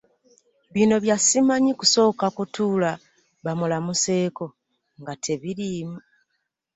Bino bya simanyi kusooka kutuula bamulamuseeko, nga tebiriimu.